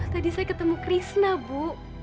tadi saya ketemu krishna bu